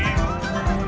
hai hasil bertimbang